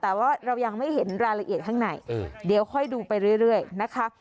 แต่ว่าเรายังไม่เห็นรายละเอียดข้างในเดี๋ยวค่อยดูไปเรื่อยนะคะ